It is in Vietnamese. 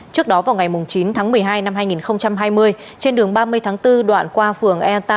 trước đó vào ngày chín tháng một mươi hai năm hai nghìn hai mươi trên đường ba mươi tháng bốn đoạn qua phường ea tám